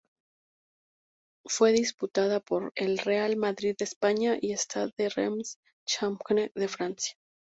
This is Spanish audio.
Fue disputada por el Real Madrid de España y Stade de Reims-Champagne de Francia.